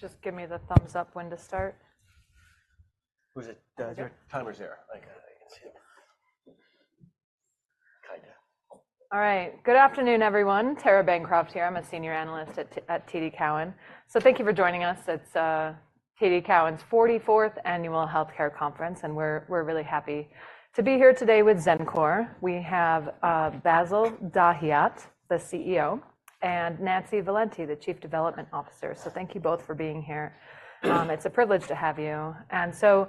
Just give me the thumbs up when to start? Who's it? Your timer's there. I can, I can see it. Kinda. All right. Good afternoon, everyone. Tara Bancroft here. I'm a senior analyst at TD Cowen. So thank you for joining us. It's TD Cowen's 44th Annual Healthcare conference, and we're really happy to be here today with Xencor. We have Bassil Dahiyat, the CEO, and Nancy Valente, the Chief Development Officer. So thank you both for being here. It's a privilege to have you. And so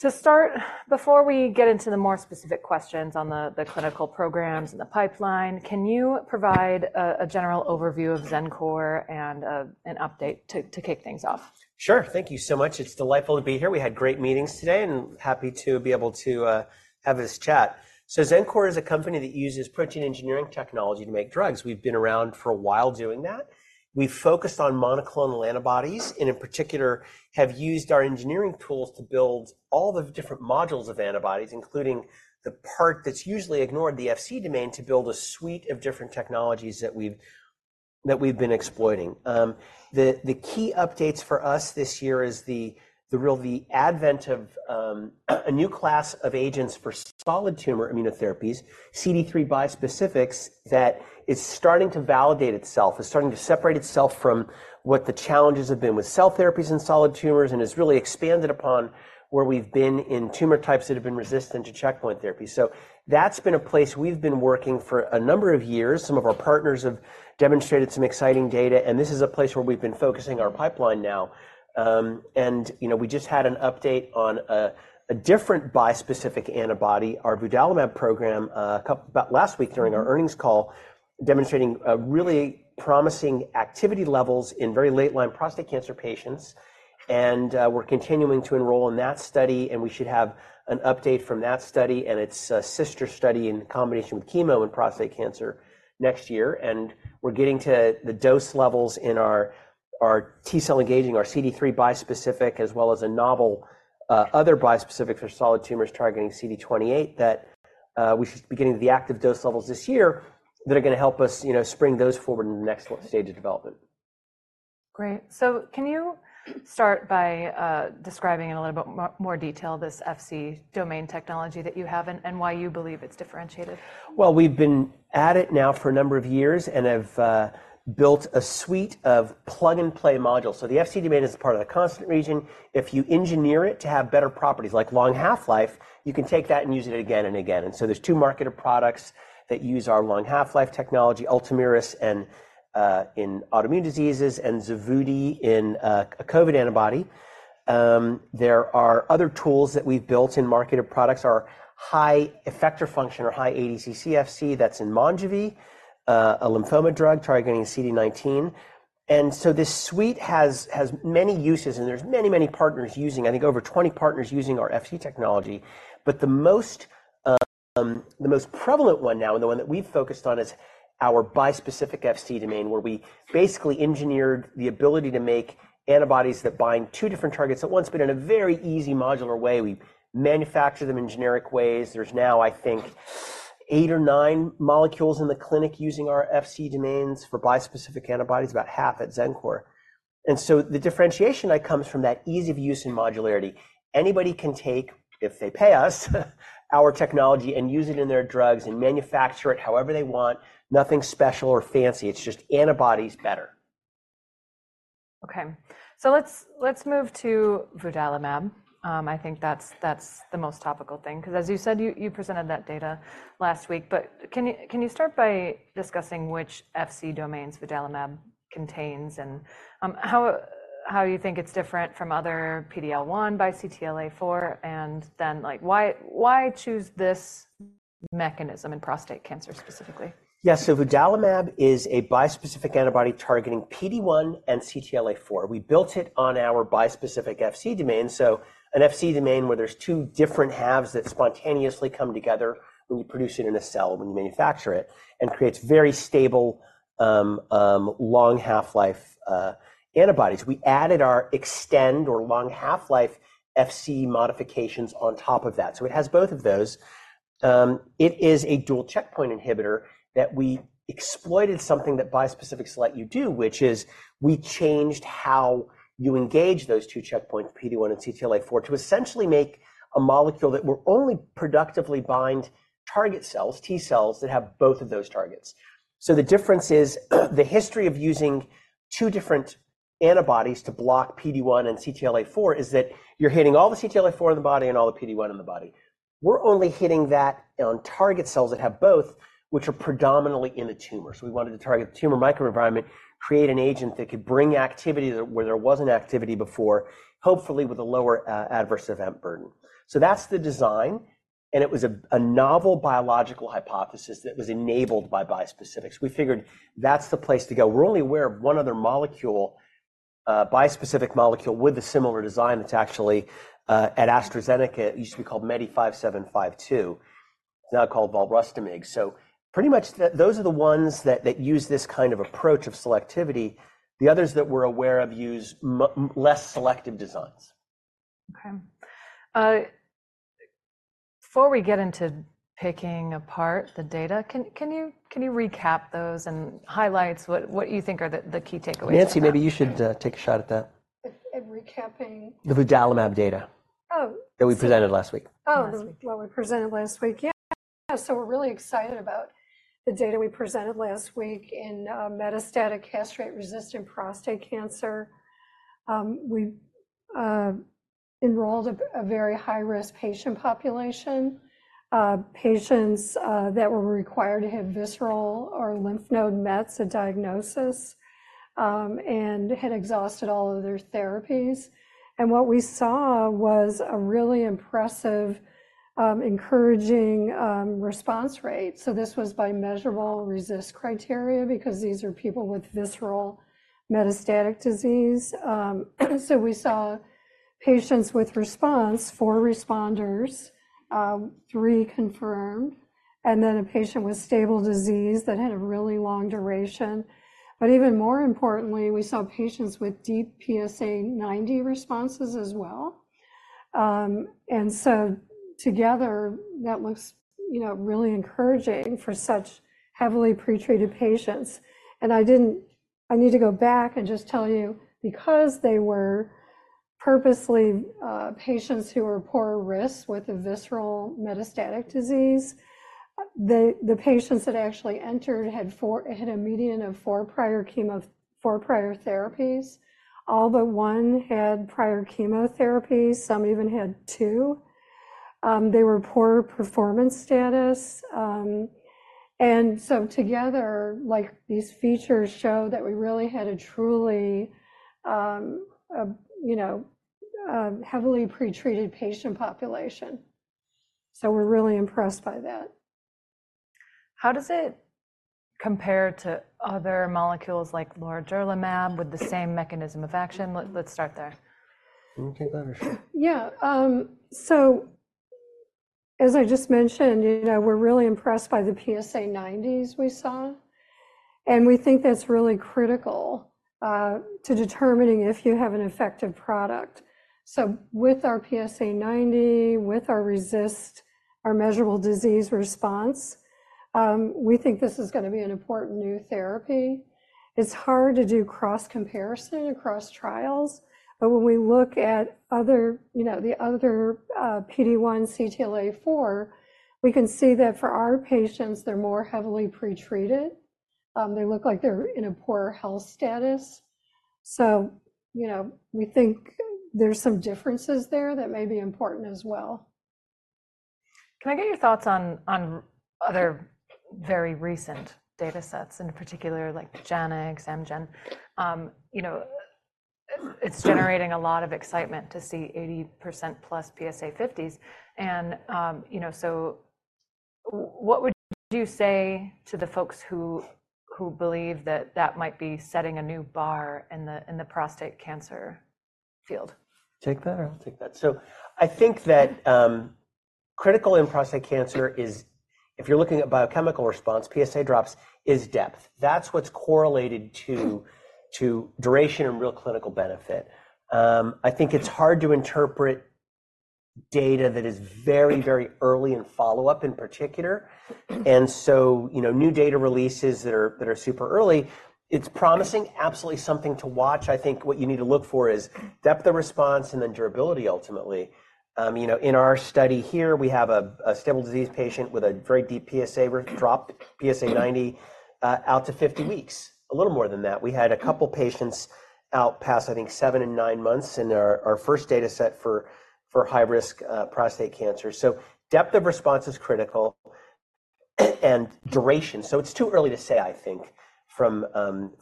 to start, before we get into the more specific questions on the clinical programs and the pipeline, can you provide a general overview of Xencor and an update to kick things off? Sure. Thank you so much. It's delightful to be here. We had great meetings today, and happy to be able to have this chat. So Xencor is a company that uses protein engineering technology to make drugs. We've been around for a while doing that. We've focused on monoclonal antibodies, and in particular, have used our engineering tools to build all the different modules of antibodies, including the part that's usually ignored, the Fc domain, to build a suite of different technologies that we've, that we've been exploiting. The key updates for us this year is the advent of a new class of agents for solid tumor immunotherapies, CD3 bispecifics, that is starting to validate itself, is starting to separate itself from what the challenges have been with cell therapies in solid tumors, and has really expanded upon where we've been in tumor types that have been resistant to checkpoint therapy. So that's been a place we've been working for a number of years. Some of our partners have demonstrated some exciting data, and this is a place where we've been focusing our pipeline now. You know, we just had an update on a different bispecific antibody, our vudalimab program, about last week- Mm-hmm... during our earnings call, demonstrating really promising activity levels in very late line prostate cancer patients. And we're continuing to enroll in that study, and we should have an update from that study, and its sister study in combination with chemo and prostate cancer next year. And we're getting to the dose levels in our T-cell engaging, our CD3 bispecific, as well as a novel other bispecific for solid tumors targeting CD28, that we should be getting to the active dose levels this year, that are gonna help us, you know, spring those forward into the next stage of development. Great. So can you start by describing in a little bit more detail this Fc domain technology that you have, and why you believe it's differentiated? Well, we've been at it now for a number of years, and have built a suite of plug-and-play modules. So the Fc domain is a part of the constant region. If you engineer it to have better properties, like long half-life, you can take that and use it again and again. And so there's two marketed products that use our long half-life technology, Ultomiris, and in autoimmune diseases, and Xevudy in a COVID antibody. There are other tools that we've built, and marketed products, are high effector function or high ADCC Fc, that's in Monjuvi, a lymphoma drug targeting CD19. And so this suite has many uses, and there's many, many partners using—I think over 20 partners using our Fc technology. But the most prevalent one now, and the one that we've focused on, is our bispecific Fc domain, where we basically engineered the ability to make antibodies that bind two different targets at once, but in a very easy modular way. We manufacture them in generic ways. There's now, I think, eight or nine molecules in the clinic using our Fc domains for bispecific antibodies, about half at Xencor. And so the differentiation that comes from that ease of use and modularity, anybody can take, if they pay us, our technology and use it in their drugs and manufacture it however they want. Nothing special or fancy, it's just antibodies better. Okay, so let's move to vudalimab. I think that's the most topical thing, 'cause as you said, you presented that data last week. But can you start by discussing which Fc domains vudalimab contains, and how you think it's different from other PD-1 x CTLA-4, and then, like, why choose this mechanism in prostate cancer specifically? Yeah. So vudalimab is a bispecific antibody targeting PD-1 and CTLA-4. We built it on our bispecific Fc domain, so an Fc domain, where there's two different halves that spontaneously come together when you produce it in a cell, when you manufacture it, and creates very stable, long half-life, antibodies. We added our Xtend or long half-life Fc modifications on top of that, so it has both of those. It is a dual checkpoint inhibitor that we exploited something that bispecifics let you do, which is, we changed how you engage those two checkpoints, PD-1 and CTLA-4, to essentially make a molecule that will only productively bind target cells, T cells, that have both of those targets. So the difference is, the history of using two different antibodies to block PD-1 and CTLA-4, is that you're hitting all the CTLA-4 in the body and all the PD-1 in the body. We're only hitting that on target cells that have both, which are predominantly in the tumor. So we wanted to target the tumor microenvironment, create an agent that could bring activity where there wasn't activity before, hopefully with a lower adverse event burden. So that's the design, and it was a novel biological hypothesis that was enabled by bispecifics. We figured that's the place to go. We're only aware of one other molecule, a bispecific molecule, with a similar design that's actually at AstraZeneca. It used to be called MEDI5752, now called volrustomig. So pretty much those are the ones that use this kind of approach of selectivity. The others that we're aware of use less selective designs. Okay. Before we get into picking apart the data, can you recap those and highlight what you think are the key takeaways? Nancy, maybe you should take a shot at that. At recapping? The vudalimab data- Oh - that we presented last week. Oh- Last week... what we presented last week. Yeah, so we're really excited about the data we presented last week in metastatic castrate-resistant prostate cancer. We enrolled a very high-risk patient population, patients that were required to have visceral or lymph node mets at diagnosis, and had exhausted all other therapies. And what we saw was a really impressive, encouraging, response rate. So this was by RECIST criteria, because these are people with visceral metastatic disease. So we saw patients with response, four responders, three confirmed, and then a patient with stable disease that had a really long duration. But even more importantly, we saw patients with deep PSA90 responses as well. And so together, that looks, you know, really encouraging for such heavily pre-treated patients. I need to go back and just tell you, because they were purposely patients who were poor risk with a visceral metastatic disease, the patients that actually entered had a median of four prior therapies. All but one had prior chemotherapy, some even had two. They were poor performance status. And so together, like, these features show that we really had a truly, you know, a heavily pre-treated patient population. So we're really impressed by that. How does it compare to other molecules like lorigerlimab with the same mechanism of action? Let's start there. You wanna take that or... Yeah. So as I just mentioned, you know, we're really impressed by the PSA90s we saw, and we think that's really critical to determining if you have an effective product. So with our PSA90, with our RECIST, our measurable disease response, we think this is gonna be an important new therapy. It's hard to do cross comparison across trials, but when we look at other, you know, the other PD-1, CTLA-4, we can see that for our patients, they're more heavily pre-treated. They look like they're in a poorer health status. So, you know, we think there's some differences there that may be important as well. Can I get your thoughts on other very recent data sets, in particular, like Janux, Amgen? You know, it's generating a lot of excitement to see 80%+ PSA 50s. And, you know, so what would you say to the folks who believe that that might be setting a new bar in the prostate cancer field? Take that, or I'll take that. So I think that, critical in prostate cancer is, if you're looking at biochemical response, PSA drops is depth. That's what's correlated to, to duration and real clinical benefit. I think it's hard to interpret data that is very, very early in follow-up, in particular. And so, you know, new data releases that are, that are super early, it's promising, absolutely something to watch. I think what you need to look for is depth of response and then durability, ultimately. You know, in our study here, we have a stable disease patient with a very deep PSA drop, PSA 90, out to 50 weeks, a little more than that. We had a couple patients out past, I think, seven and nine months in our first data set for high-risk prostate cancer. So depth of response is critical, and duration. So it's too early to say, I think, from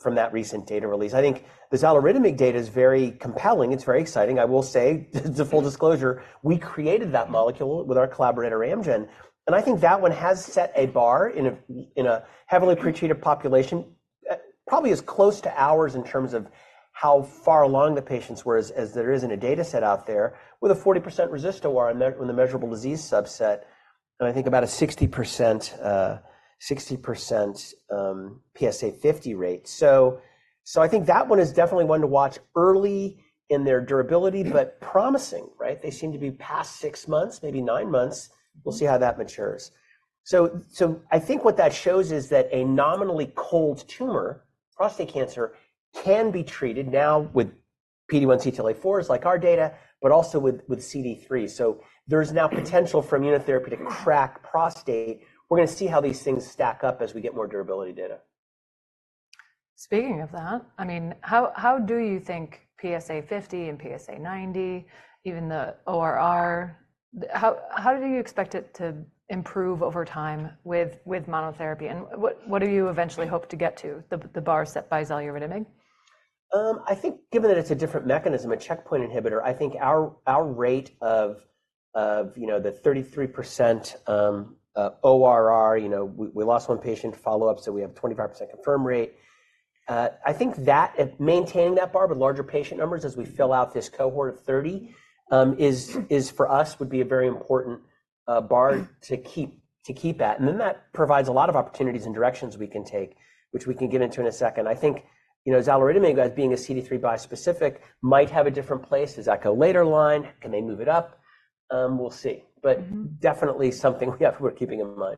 that recent data release. I think the xaluritamig data is very compelling. It's very exciting. I will say, full disclosure, we created that molecule with our collaborator, Amgen, and I think that one has set a bar in a heavily pretreated population, probably as close to ours in terms of how far along the patients were as there is in a data set out there, with a 40% RECIST in the measurable disease subset, and I think about a 60% PSA 50 rate. So I think that one is definitely one to watch early in their durability, but promising, right? They seem to be past six months, maybe nine months. We'll see how that matures. So, I think what that shows is that a nominally cold tumor, prostate cancer, can be treated now with PD-1, CTLA-4, like our data, but also with CD3. So there's now potential for immunotherapy to crack prostate. We're gonna see how these things stack up as we get more durability data. Speaking of that, I mean, how do you think PSA 50 and PSA 90, even the ORR, how do you expect it to improve over time with monotherapy, and what do you eventually hope to get to, the bar set by xaluritamig? I think given that it's a different mechanism, a checkpoint inhibitor, I think our rate of, you know, the 33%, ORR, you know, we lost one patient follow-up, so we have a 25% confirm rate. I think that maintaining that bar with larger patient numbers as we fill out this cohort of 30 is for us would be a very important bar to keep, to keep at. And then that provides a lot of opportunities and directions we can take, which we can get into in a second. I think you know, xaluritamig as being a CD3 bispecific might have a different place. Is that a later line? Can they move it up? We'll see. Mm-hmm. Definitely something we have worth keeping in mind.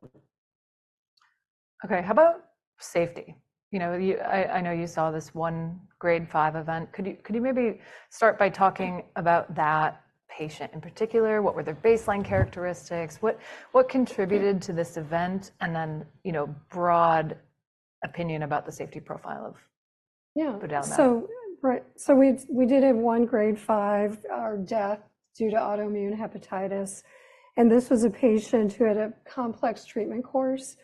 Okay, how about safety? You know, I know you saw this one Grade 5 event. Could you maybe start by talking about that patient in particular? What were their baseline characteristics? What contributed to this event? And then, you know, broad opinion about the safety profile of- Yeah vudalimab. So, right. So we did have one Grade 5, or death due to autoimmune hepatitis, and this was a patient who had a complex treatment course.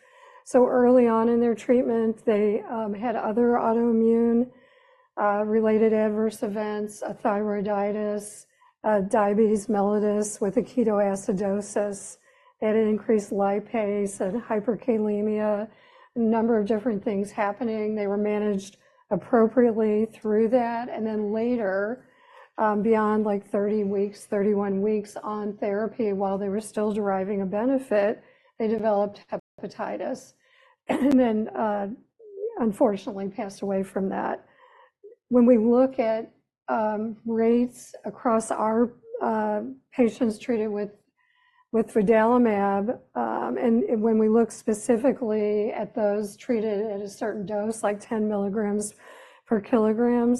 So early on in their treatment, they had other autoimmune related adverse events, a thyroiditis, diabetes mellitus with ketoacidosis. They had an increased lipase and hyperkalemia. A number of different things happening. They were managed appropriately through that, and then later, beyond, like, 30 weeks, 31 weeks on therapy, while they were still deriving a benefit, they developed hepatitis, and then, unfortunately passed away from that. When we look at rates across our patients treated with vudalimab, and when we look specifically at those treated at a certain dose, like 10 milligrams per kilogram,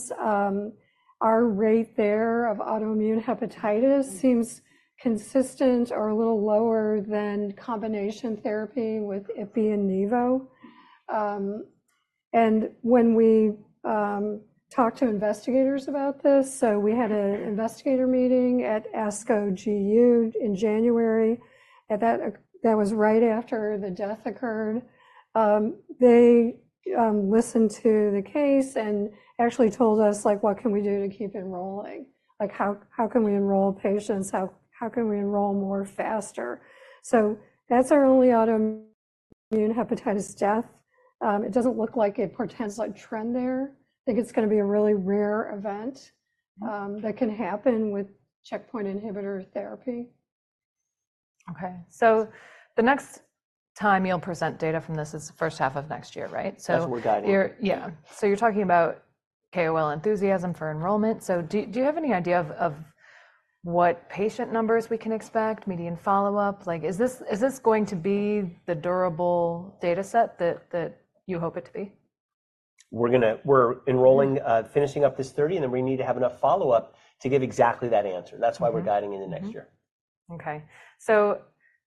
our rate there of autoimmune hepatitis seems consistent or a little lower than combination therapy with ipi and nivo. And when we talked to investigators about this. So we had an investigator meeting at ASCO GU in January, and that was right after the death occurred. They listened to the case and actually told us, like: "What can we do to keep enrolling? Like, how can we enroll patients? How can we enroll more faster?" So that's our only autoimmune hepatitis death. It doesn't look like it portends a trend there. I think it's gonna be a really rare event that can happen with checkpoint inhibitor therapy. Okay, so the next time you'll present data from this is the first half of next year, right? So- That's what we're guiding. Yeah. So you're talking about KOL enthusiasm for enrollment. So do you have any idea of what patient numbers we can expect, median follow-up? Like, is this going to be the durable data set that you hope it to be? We're enrolling, finishing up this 30, and then we need to have enough follow-up to give exactly that answer. Mm-hmm. That's why we're guiding into next year. Mm-hmm. Okay.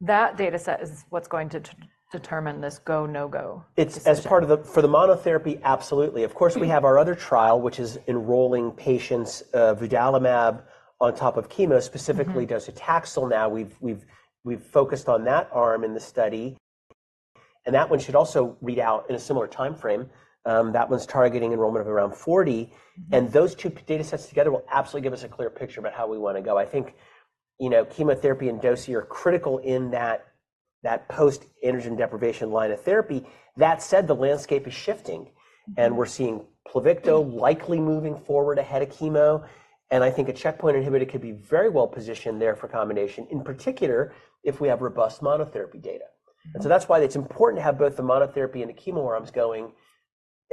That data set is what's going to determine this go/no-go? It's as part of the for the monotherapy, absolutely. Mm. Of course, we have our other trial, which is enrolling patients, vudalimab, on top of chemo- Mm-hmm... specifically docetaxel. Now, we've focused on that arm in the study, and that one should also read out in a similar timeframe. That one's targeting enrollment of around 40. Mm-hmm. Those two data sets together will absolutely give us a clear picture about how we wanna go. I think, you know, chemotherapy and dose are critical in that post-androgen deprivation line of therapy. That said, the landscape is shifting, and we're seeing- Mm... Pluvicto likely moving forward ahead of chemo, and I think a checkpoint inhibitor could be very well positioned there for combination, in particular, if we have robust monotherapy data. Mm-hmm. And so that's why it's important to have both the monotherapy and the chemo arms going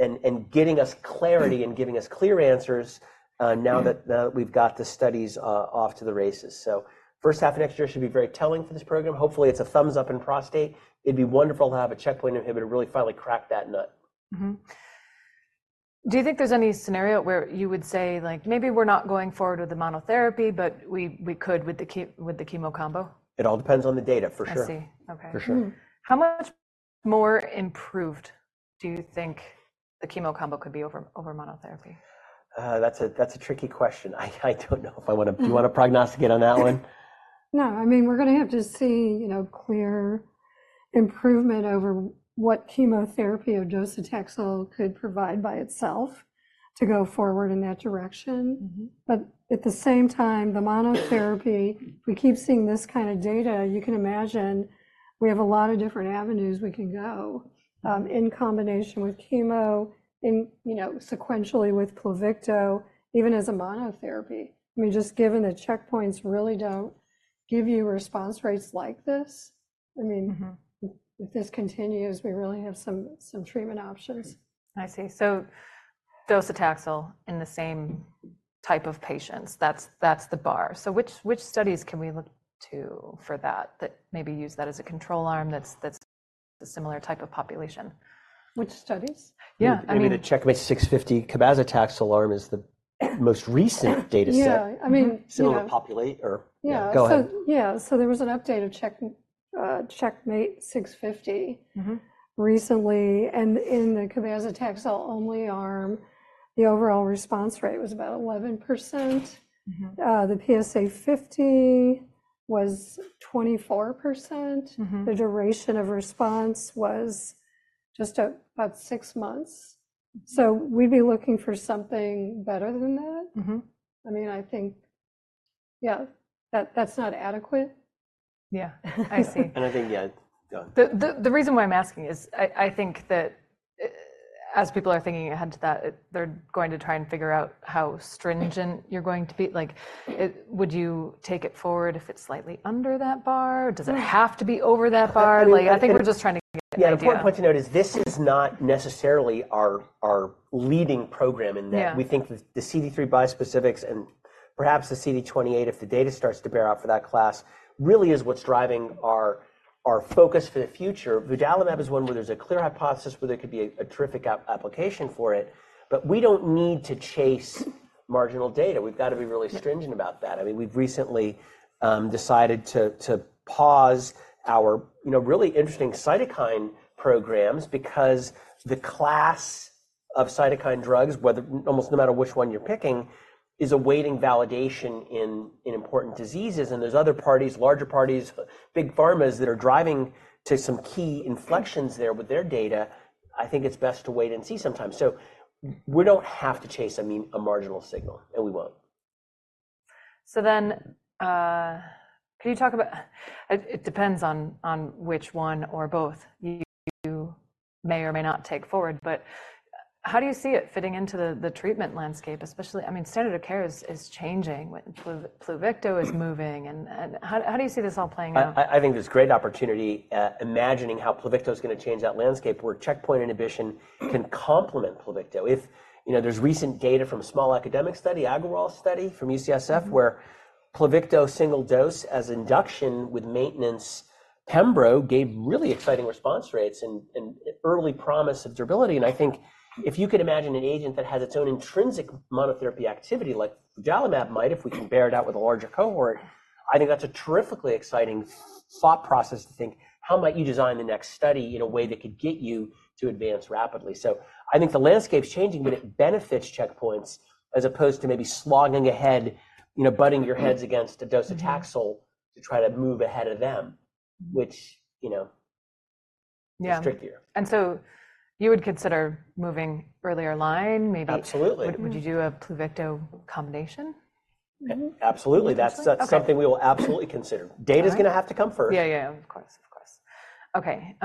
and getting us clarity and giving us clear answers. Mm... now that we've got the studies off to the races. So first half of next year should be very telling for this program. Hopefully, it's a thumbs-up in prostate. It'd be wonderful to have a checkpoint inhibitor really finally crack that nut. Mm-hmm. Do you think there's any scenario where you would say, like: "Maybe we're not going forward with the monotherapy, but we could with the chemo combo? It all depends on the data, for sure. I see. Okay. For sure. Mm. How much more improved do you think the chemo combo could be over, over monotherapy? That's a tricky question. I don't know if I wanna- Mm... you wanna prognosticate on that one? No, I mean, we're gonna have to see, you know, clear improvement over what chemotherapy or Docetaxel could provide by itself to go forward in that direction. Mm-hmm. But at the same time, the monotherapy, if we keep seeing this kind of data, you can imagine we have a lot of different avenues we can go in combination with chemo and, you know, sequentially with Pluvicto, even as a monotherapy. I mean, just given the checkpoints really don't give you response rates like this. I mean- Mm-hmm... if this continues, we really have some treatment options. I see. So docetaxel in the same type of patients, that's, that's the bar. So which, which studies can we look to for that, that maybe use that as a control arm, that's, that's a similar type of population? Which studies? Yeah, I mean- Maybe the CheckMate 650 cabazitaxel arm is the most recent data set. Yeah, mm-hmm. I mean, similar populate or- Yeah. Go ahead. Yeah, so there was an update of CheckMate 650- Mm-hmm... recently, and in the Cabazitaxel-only arm, the overall response rate was about 11%. Mm-hmm. The PSA 50 was 24%. Mm-hmm. The duration of response was just about 6 months. We'd be looking for something better than that. Mm-hmm. I mean, I think, yeah, that, that's not adequate.... Yeah, I see. I think, yeah, go on. The reason why I'm asking is I think that, as people are thinking ahead to that, they're going to try and figure out how stringent you're going to be. Like, would you take it forward if it's slightly under that bar? Or does it have to be over that bar? I think- Like, I think we're just trying to get an idea. Yeah, important point to note is this is not necessarily our leading program- Yeah in that we think the CD3 bispecifics, and perhaps the CD28, if the data starts to bear out for that class, really is what's driving our focus for the future. vudalimab is one where there's a clear hypothesis, where there could be a terrific application for it, but we don't need to chase marginal data. We've got to be really stringent about that. I mean, we've recently decided to pause our, you know, really interesting cytokine programs because the class of cytokine drugs, whether almost no matter which one you're picking, is awaiting validation in important diseases. And there's other parties, larger parties, big pharmas, that are driving to some key inflections there with their data. I think it's best to wait and see sometimes. So we don't have to chase, I mean, a marginal signal, and we won't. So then, can you talk about it? It depends on which one or both you may or may not take forward, but how do you see it fitting into the treatment landscape, especially... I mean, standard of care is changing. Pluvicto is moving, and how do you see this all playing out? I think there's great opportunity, imagining how Pluvicto is gonna change that landscape, where checkpoint inhibition can complement Pluvicto. If, you know, there's recent data from a small academic study, Aggarwal study from UCSF, where Pluvicto single dose as induction with maintenance pembro gave really exciting response rates and early promise of durability. And I think if you could imagine an agent that has its own intrinsic monotherapy activity, like vudalimab might, if we can bear it out with a larger cohort, I think that's a terrifically exciting thought process to think: how might you design the next study in a way that could get you to advance rapidly? So I think the landscape's changing, but it benefits checkpoints as opposed to maybe slogging ahead, you know, butting your heads against a docetaxel to try to move ahead of them, which, you know- Yeah - is trickier. And so you would consider moving earlier line, maybe? Absolutely. Would you do a Pluvicto combination? Mm-hmm. Absolutely, that's- Okay... something we will absolutely consider. All right. Data is gonna have to come first. Yeah, yeah, of course. Of course. Okay,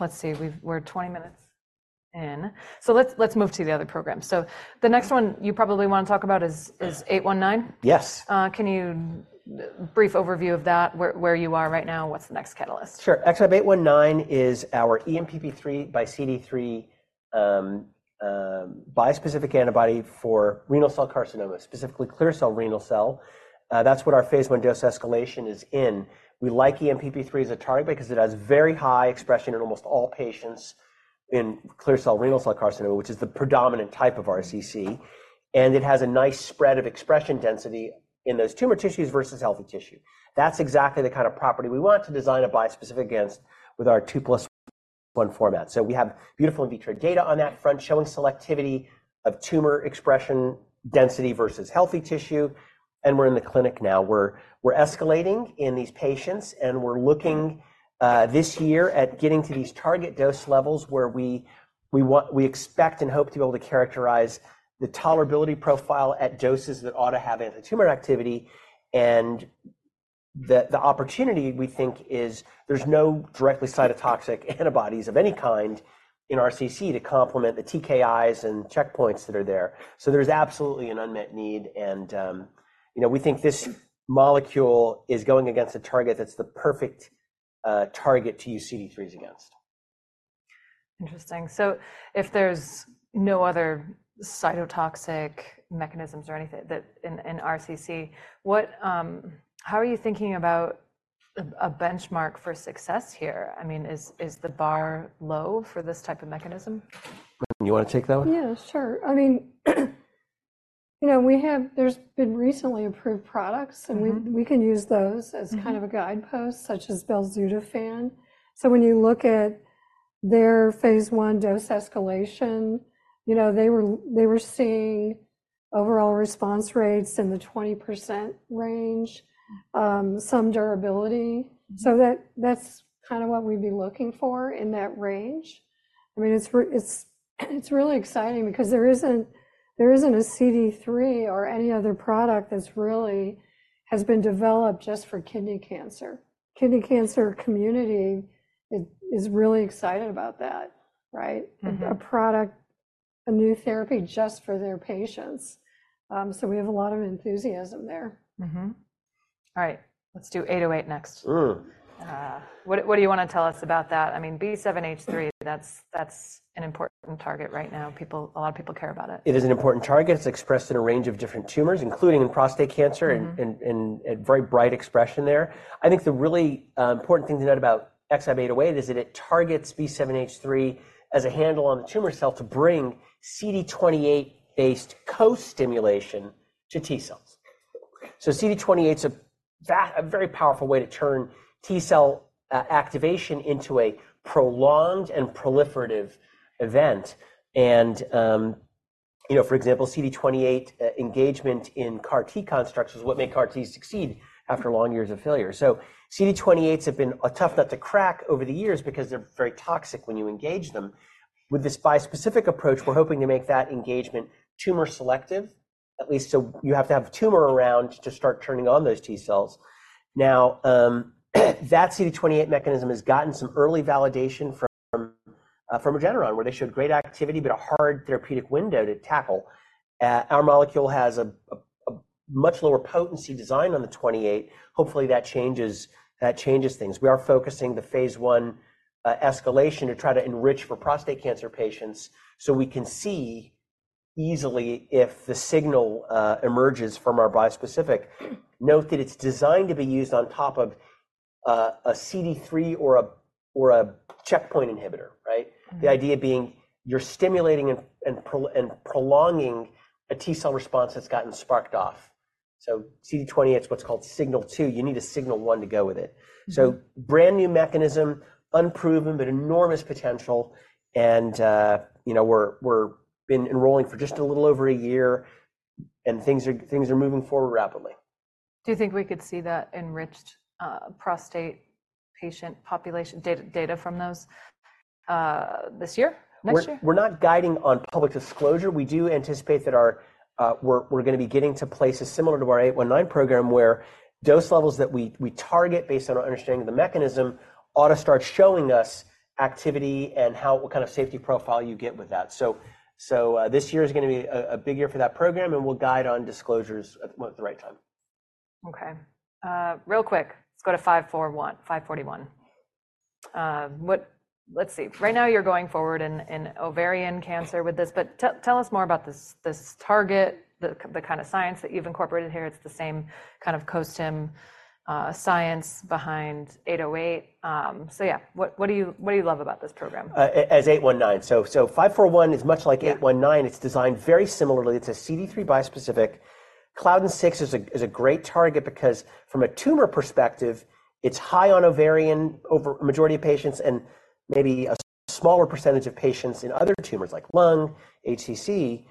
let's see. We're 20 minutes in, so let's move to the other program. So the next one you probably want to talk about is 819? Yes. Can you... brief overview of that, where you are right now? What's the next catalyst? Sure. XmAb819 is our ENPP3 x CD3 bispecific antibody for renal cell carcinoma, specifically clear cell renal cell. That's what our phase I dose escalation is in. We like ENPP3 as a target because it has very high expression in almost all patients in clear cell renal cell carcinoma, which is the predominant type of RCC, and it has a nice spread of expression density in those tumor tissues versus healthy tissue. That's exactly the kind of property we want to design a bispecific against with our 2 + 1 format. So we have beautiful in vitro data on that front, showing selectivity of tumor expression density versus healthy tissue, and we're in the clinic now. We're escalating in these patients, and we're looking this year at getting to these target dose levels where we expect and hope to be able to characterize the tolerability profile at doses that ought to have anti-tumor activity. And the opportunity, we think, is there's no directly cytotoxic antibodies of any kind in RCC to complement the TKIs and checkpoints that are there. So there's absolutely an unmet need, and you know, we think this molecule is going against a target that's the perfect target to use CD3s against. Interesting. So if there's no other cytotoxic mechanisms or anything that in RCC, what... How are you thinking about a benchmark for success here? I mean, is the bar low for this type of mechanism? Lynn, you want to take that one? Yeah, sure. I mean, you know, we have-- there's been recently approved products- Mm-hmm... and we can use those- Mm... as kind of a guidepost, such as belzutifan. So when you look at their phase I dose escalation, you know, they were seeing overall response rates in the 20% range, some durability. Mm-hmm. So that's kind of what we'd be looking for in that range. I mean, it's really exciting because there isn't a CD3 or any other product that's really has been developed just for kidney cancer. Kidney cancer community is really excited about that, right? Mm-hmm. A product, a new therapy just for their patients. So we have a lot of enthusiasm there. Mm-hmm. All right, let's do 808 next. Mm. What do you want to tell us about that? I mean, B7-H3, that's an important target right now. A lot of people care about it. It is an important target. It's expressed in a range of different tumors, including in prostate cancer- Mm-hmm... a very bright expression there. I think the really important thing to note about XmAb808 is that it targets B7-H3 as a handle on the tumor cell to bring CD28-based co-stimulation to T cells. So CD28 is a very, a very powerful way to turn T cell activation into a prolonged and proliferative event. And, you know, for example, CD28 engagement in CAR T constructs is what made CAR T succeed after long years of failure. So CD28s have been a tough nut to crack over the years because they're very toxic when you engage them. With this bispecific approach, we're hoping to make that engagement tumor selective—at least, so you have to have a tumor around to start turning on those T cells. Now, that CD28 mechanism has gotten some early validation from, from Regeneron, where they showed great activity but a hard therapeutic window to tackle. Our molecule has a much lower potency design on the 28. Hopefully, that changes, that changes things. We are focusing the phase one escalation to try to enrich for prostate cancer patients, so we can see easily if the signal emerges from our bispecific. Note that it's designed to be used on top of a CD3 or a checkpoint inhibitor, right? Mm-hmm. The idea being, you're stimulating and prolonging a T-cell response that's gotten sparked off. So CD28 is what's called signal two. You need a signal one to go with it. Mm-hmm. So brand-new mechanism, unproven, but enormous potential, and, you know, we're been enrolling for just a little over a year, and things are moving forward rapidly. Do you think we could see that enriched prostate patient population data, data from those this year? Next year? We're, we're not guiding on public disclosure. We do anticipate that our, we're, we're gonna be getting to places similar to our 819 program, where dose levels that we, we target based on our understanding of the mechanism, ought to start showing us activity and how—what kind of safety profile you get with that. So, so, this year is gonna be a, a big year for that program, and we'll guide on disclosures at the, the right time. Okay. Real quick, let's go to 541, 541. Let's see. Right now you're going forward in ovarian cancer with this, but tell us more about this target, the kind of science that you've incorporated here. It's the same kind of costim science behind 808. So yeah, what do you love about this program? XmAb819. So, XmAb541 is much like XmAb819. Yeah. It's designed very similarly. It's a CD3 bispecific. Claudin-6 is a great target because from a tumor perspective, it's high on ovarian over a majority of patients and maybe a smaller percentage of patients in other tumors like lung, HCC,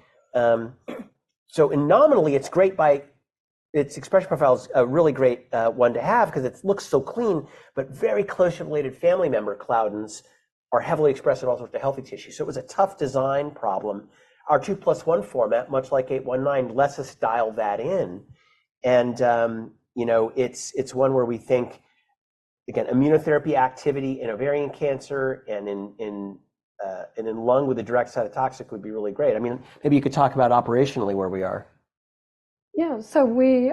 so nominally, it's great by its expression profile is a really great one to have because it looks so clean, but very closely related family member claudins are heavily expressed in all sorts of healthy tissue, so it was a tough design problem. Our 2+1 format, much like 819, lets us dial that in, and you know, it's one where we think, again, immunotherapy activity in ovarian cancer and in lung with a direct cytotoxic would be really great. I mean, maybe you could talk about operationally where we are. Yeah, so we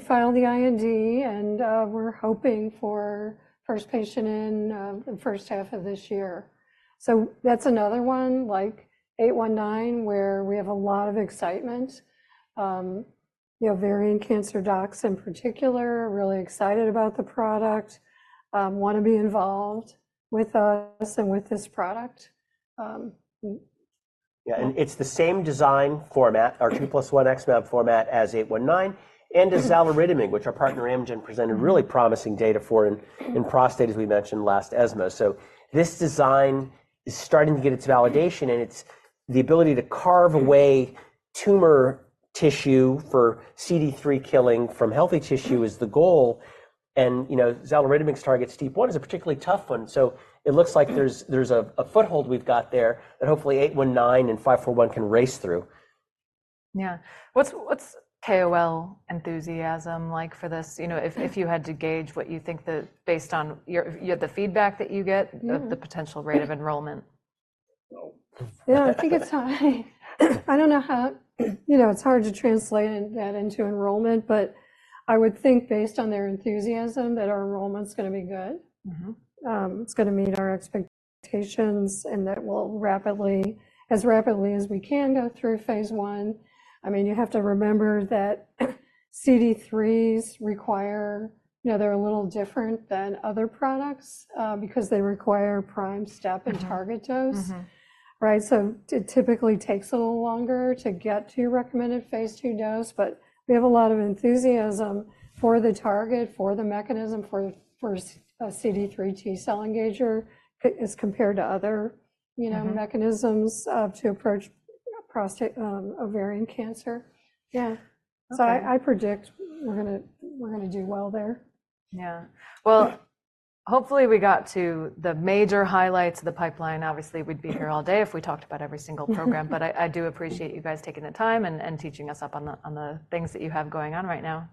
filed the IND, and we're hoping for first patient in the first half of this year. So that's another one like 819, where we have a lot of excitement. You know, ovarian cancer docs in particular are really excited about the product, want to be involved with us and with this product, w- Yeah, and it's the same design format- Mm-hmm. Our 2+1 XmAb format as XmAb819, and is xaluritamig, which our partner Amgen presented- Mm-hmm. Really promising data for in prostate, as we mentioned last ESMO. So this design is starting to get its validation, and it's the ability to carve away tumor tissue for CD3 killing from healthy tissue is the goal, and, you know, xaluritamig targets STEAP1 is a particularly tough one, so it looks like there's a foothold we've got there that hopefully 819 and 541 can race through. Yeah. What's KOL enthusiasm like for this? You know, if you had to gauge what you think the--based on your feedback that you get- Mm-hmm. the potential rate of enrollment? So- Yeah, I think it's high. I don't know how. You know, it's hard to translate that into enrollment, but I would think, based on their enthusiasm, that our enrollment's gonna be good. Mm-hmm. It's gonna meet our expectations, and that we'll rapidly, as rapidly as we can, go through phase one. I mean, you have to remember that CD3's require... You know, they're a little different than other products, because they require prime step and target dose. Mm-hmm. Right? So it typically takes a little longer to get to your recommended phase two dose, but we have a lot of enthusiasm for the target, for the mechanism, for, for a CD3 T-cell engager, as compared to other, you know- Mm-hmm... mechanisms to approach prostate, ovarian cancer. Yeah. Okay. So I predict we're gonna do well there. Yeah. Well, hopefully, we got to the major highlights of the pipeline. Obviously, we'd be here all day if we talked about every single program. But I, I do appreciate you guys taking the time and, and teaching us up on the, on the things that you have going on right now.